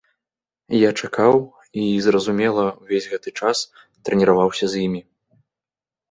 Я чакаў і, зразумела, увесь гэты час трэніраваўся з імі.